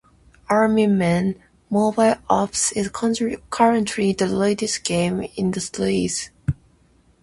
"Army Men: Mobile Ops" is currently the latest game in the series.